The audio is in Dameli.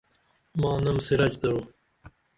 ماں نم سراج درو